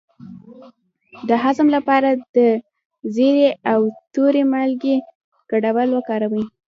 د هضم لپاره د زیرې او تورې مالګې ګډول وکاروئ